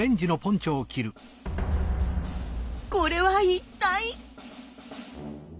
これは一体。